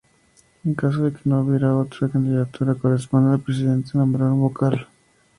En caso de que no hubiera otra candidatura, corresponde al Presidente nombrar un vocal.